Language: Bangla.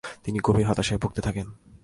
তিনি গভীর হতাশায় ভুগতে থাকেন।